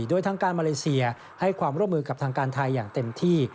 โดยทางการมาเลเซียให้ความร่วมมือกับทางการไทยอย่างเต็มที่